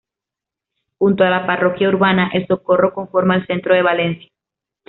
Junto a la Parroquia Urbana El Socorro conforma el Centro de Valencia.